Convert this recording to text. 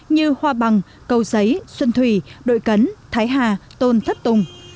như hoa bằng cầu giấy xuân thủy đội cấn thái hà tôn thất tùng